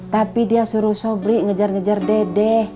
tapi dia suruh sobrik ngejar ngejar dede